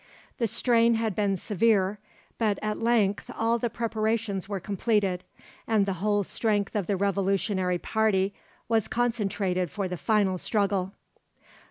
The strain had been severe, but at length all the preparations were completed, and the whole strength of the Revolutionary party was concentrated for the final struggle.